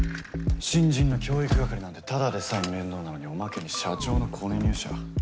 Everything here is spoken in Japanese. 新人の教育係なんてただでさえ面倒なのにおまけに社長のコネ入社。